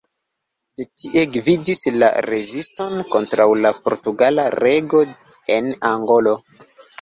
De tie li gvidis la reziston kontraŭ la portugala rego en Angolo.